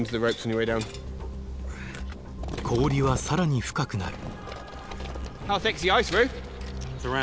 氷は更に深くなる。